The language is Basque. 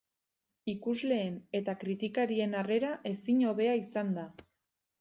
Ikusleen eta kritikarien harrera ezin hobea izan da.